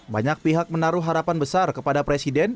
banyak pihak menaruh harapan besar kepada presiden